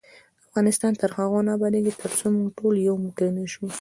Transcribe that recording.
افغانستان تر هغو نه ابادیږي، ترڅو موږ ټول یو موټی نشو.